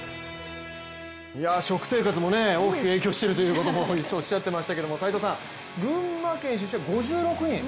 食生活も大きく影響しているということもおっしゃっていましたけど斎藤さん、群馬県出身は５６人。